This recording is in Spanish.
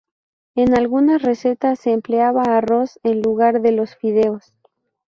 En algunas recetas se emplea arroz en lugar de los fideos.